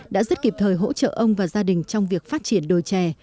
đã rất kịp thời hỗ trợ ông và gia đình trong việc phát triển đồ chè